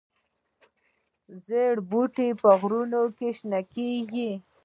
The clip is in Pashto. زیره بوټی په غرونو کې شنه کیږي؟